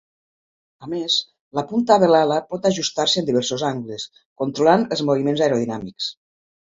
A més, la punta de l'ala pot ajustar-se en diversos angles, controlant els moviments aerodinàmics.